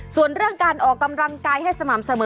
ส่วนเรื่องการออกกำลังกายให้สม่ำเสมอ